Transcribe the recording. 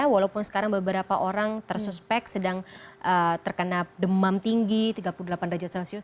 walaupun sekarang beberapa orang tersuspek sedang terkena demam tinggi tiga puluh delapan derajat celcius